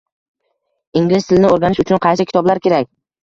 Ingliz tilini o'rganish uchun qaysi kitoblar kerak?